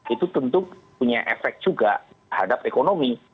itu tentu punya efek juga terhadap ekonomi